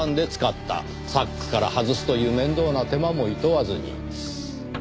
サックから外すという面倒な手間もいとわずに。